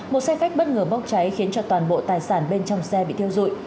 một xe khách bất ngờ bốc cháy khiến cho toàn bộ tài sản bên trong xe bị thiêu dụi